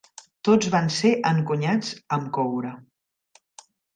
Tots van ser encunyats amb coure.